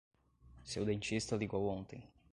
Seu dentista ligou ontem.